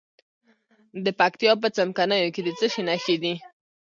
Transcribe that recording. د پکتیا په څمکنیو کې د څه شي نښې دي؟